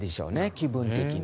気分的に。